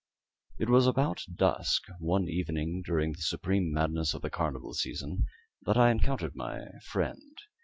It was about dusk, one evening during the supreme madness of the carnival season, that I encountered my friend.